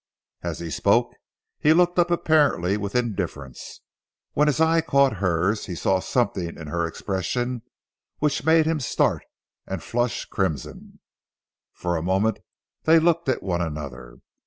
As he spoke he looked up apparently with indifference. When his eye caught hers he saw something in her expression which made him start and flush crimson. For a moment they looked at one another.